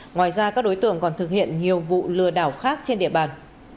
ngoài ra các đối tượng còn thực hiện nhiều vụ lừa đảo khác trên địa bàn